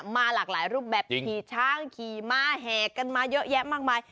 มาหลากหลายรูปแบบขี่ช้างขี่ม้าแห่กันมาเยอะแยะมากมาย